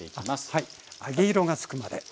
はい揚げ色がつくまで。